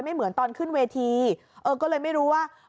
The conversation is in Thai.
เหมือนตอนขึ้นเวทีเออก็เลยไม่รู้ว่า